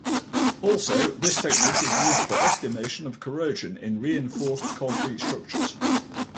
Also, this technique is used for estimation of corrosion in reinforced concrete structures.